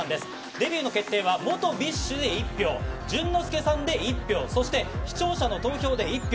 デビューの決定は、元ＢｉＳＨで１票、淳之介さんで１票、そして視聴者の投票で１票。